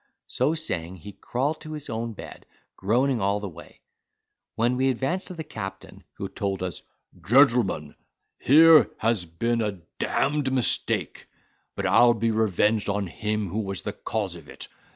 So saying, he crawled to his own bed, groaning all the way. We then advanced to the Captain, who told us, "Gentlemen, here has been a d—d mistake; but I'll be revenged on him who was the cause of it.